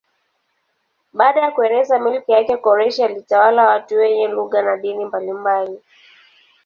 Baada ya kueneza milki yake Koreshi alitawala watu wenye lugha na dini mbalimbali.